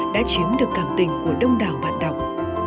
đã chiếm được cảm tình của đông đảo vạn động